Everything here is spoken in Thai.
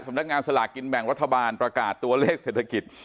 สำนักงานสลากกินแบ่งรัฐบาลประกาศตัวเลขเศรษฐกิจ